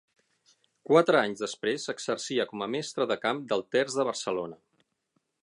Quatre anys després exercia com a mestre de camp del terç de Barcelona.